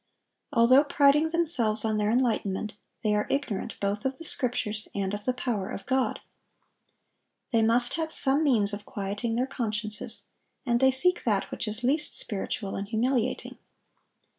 Although priding themselves on their enlightenment, they are ignorant both of the Scriptures and of the power of God. They must have some means of quieting their consciences; and they seek that which is least spiritual and humiliating.